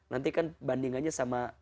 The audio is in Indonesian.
nanti kan bandingannya sama